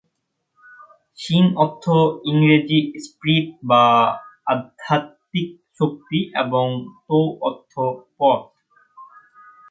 শিন অর্থ ইংরেজি স্পিরিট বা আধ্যাত্বিক শক্তি এবং তো অর্থ পথ।